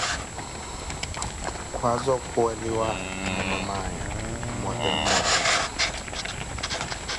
Khaaza okhuweliwa na mamaya, mmote mmote.